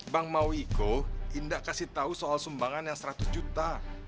bang mawiko indah kasih tahu soal sumbangan yang seratus juta